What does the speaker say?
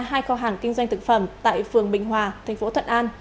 hai kho hàng kinh doanh thực phẩm tại phường bình hòa tp thuận an